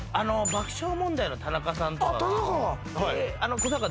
爆笑問題の田中さんとかああ田中が？